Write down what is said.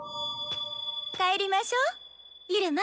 帰りましょう入間。